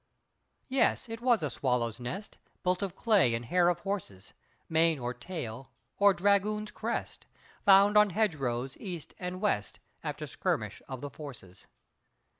Yes, it was a swallow's nest, Built of clay and hair of horses, Mane or tail, or dragoon's crest, Found on hedge rows east and west, After skirmish of the forces.